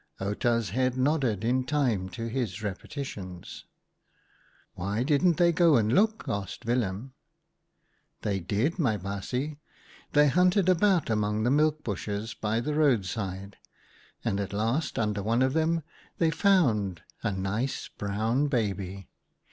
Outa's head nodded in time to his repeti tions. " Why didn't they go and look ?" asked Willem. " They did, my baasje. They hunted about HOW JACKAL GOT HIS STRIPE 79 amongst the milk bushes by the roadside, and at last under one of them they found a nice brown baby.